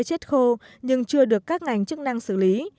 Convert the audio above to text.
chết khô nhưng chưa được các ngành chức năng xử lý